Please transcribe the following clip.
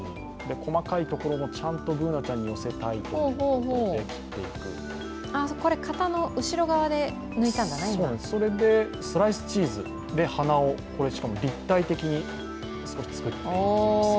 細かいところもちゃんとＢｏｏｎａちゃんに寄せたいということで、できていくそれで、スライスチーズで鼻をしかも立体的に作っていきます。